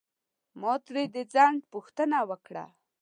ما ترې د ځنډ پوښتنه وکړه.